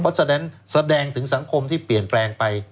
เพราะฉะนั้นแสดงถึงสังคมที่เปลี่ยนแปลงไป